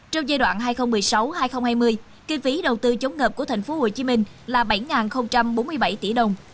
trong giai đoạn hai nghìn một mươi sáu hai nghìn hai mươi kinh phí đầu tư chống ngập của tp hcm là bảy bốn mươi bảy tỷ đồng